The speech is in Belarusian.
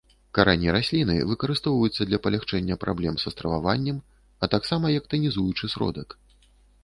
Карані расліны выкарыстоўваюцца для палягчэння праблем са страваваннем, а таксама як танізуючы сродак.